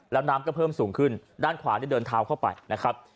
แล้วน้ำก็เพิ่มสูงขึ้นด้านขวาเนี่ยเดินเท้าเข้าไปนะครับ